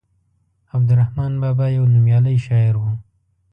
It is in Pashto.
عبدالرحمان بابا يو نوميالی شاعر وو.